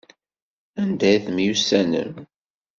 Anda ay temyussanem?